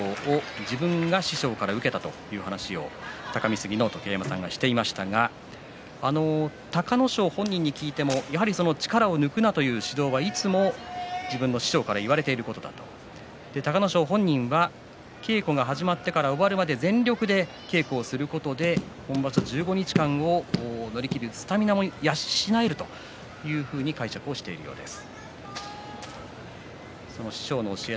自分が師匠から受けたという話を隆三杉の常盤山さんがしていましたが隆の勝本人に聞いても力を抜くなという指導をいつも自分の師匠から言われていることだ隆の勝本人も稽古が始まってから終わるまで全力で稽古をすることで１５日間を乗り切るスタミナを養えるというふうに解釈をしているようです。